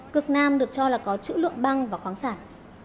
cực nam được cho là có chữ lượng băng và khoáng sản